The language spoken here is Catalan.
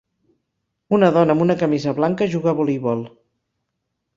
Una dona amb una camisa blanca juga a voleibol.